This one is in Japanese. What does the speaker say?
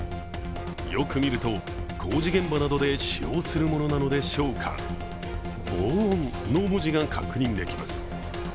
よく見ると工事現場などで使用するものなのでしょうか、「防音」の文字が確認できます。